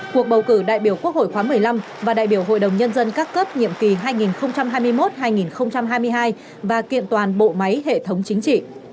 cuộc bầu cử đại biểu quốc hội khóa một mươi năm và đại biểu hội đồng nhân dân các cấp nhiệm kỳ hai nghìn hai mươi một hai nghìn hai mươi hai và kiện toàn bộ máy hệ thống chính trị